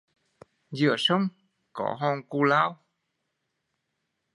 Giữa sông có hòn cù lao